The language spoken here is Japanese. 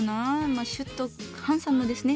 まあシュッとハンサムですね。